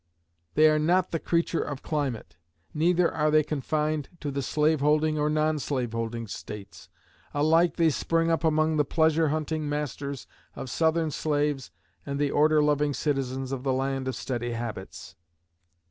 They are not the creature of climate; neither are they confined to the slaveholding or non slaveholding States. Alike they spring up among the pleasure hunting masters of Southern slaves and the order loving citizens of the land of steady habits.